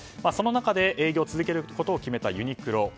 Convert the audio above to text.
その中で、営業を続けることを決めたユニクロ。